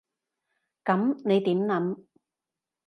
噉你點諗？